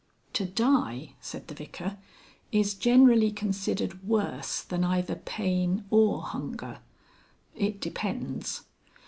"To Die," said the Vicar, "is generally considered worse than either pain or hunger.... It depends."